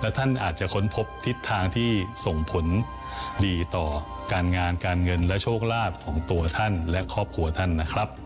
และท่านอาจจะค้นพบทิศทางที่ส่งผลดีต่อการงานการเงินและโชคลาภของตัวท่านและครอบครัวท่านนะครับ